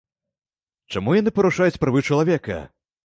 Чаму яны парушаюць правы чалавека?